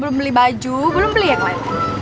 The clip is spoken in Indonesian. belum beli baju belum beli yang lain